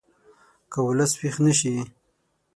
که ولس ویښ نه شي